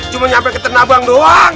cuma nyampe ke tanah abang doang